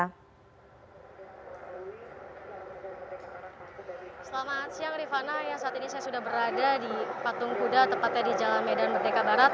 selamat siang rifana saat ini saya sudah berada di patung kuda tepatnya di jalan medan merdeka barat